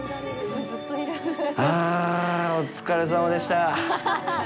ああ、お疲れさまでした。